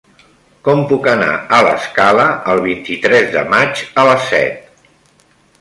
Com puc anar a l'Escala el vint-i-tres de maig a les set?